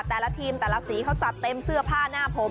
แต่ละทีมแต่ละสีเขาจัดเต็มเสื้อผ้าหน้าผม